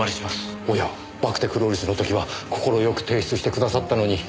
おやバクテクロリスの時は快く提出してくださったのに。